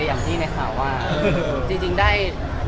หอคันระหว่าจริงได้